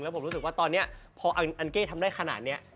ผมรู้สึกว่าตอนนี้พออันเก้ทำได้ขนาดนี้